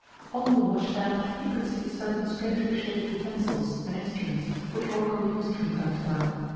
On the washstand he could see certain strangely shaped utensils and instruments which Rocco used from time to time.